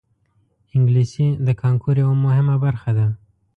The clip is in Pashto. انګلیسي د کانکور یوه مهمه برخه ده